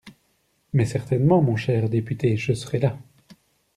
Mais certainement, mon cher député, je serai là.